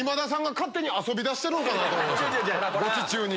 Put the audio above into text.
ゴチ中に。